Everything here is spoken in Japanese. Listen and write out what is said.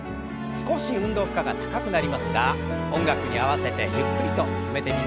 少し運動負荷が高くなりますが音楽に合わせてゆっくりと進めてみましょう。